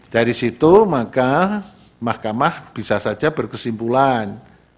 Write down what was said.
dari situ maka mahkamah bisa saja berkesimpulan